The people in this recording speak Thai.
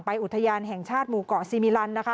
อุทยานแห่งชาติหมู่เกาะซีมิลันนะคะ